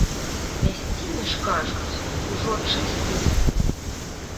Мясціны ж, кажуць, ужо чыстыя?